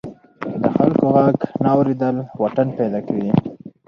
د خلکو غږ نه اوریدل واټن پیدا کوي.